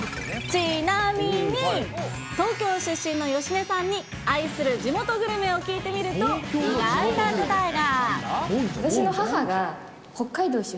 ちなみに、東京出身の芳根さんに、愛する地元グルメを聞いてみると、意外な答えが。